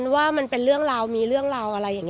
ว่ามันเป็นเรื่องราว